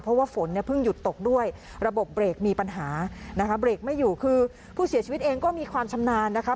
เพราะว่าฝนเนี่ยเพิ่งหยุดตกด้วยระบบเบรกมีปัญหานะคะเบรกไม่อยู่คือผู้เสียชีวิตเองก็มีความชำนาญนะคะ